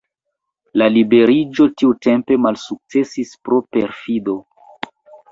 La liberiĝo tiutempe malsukcesis pro perfido.